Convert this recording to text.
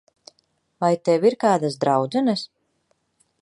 Vai tev ir kādas draudzenes?